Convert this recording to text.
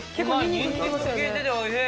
ニンニク効いてて、おいしい。